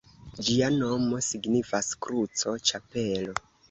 Ĝia nomo signifas “Kruco-Ĉapelo”.